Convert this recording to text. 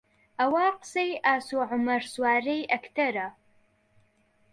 ئەوە قسەی ئاسۆ عومەر سوارەی ئەکتەرە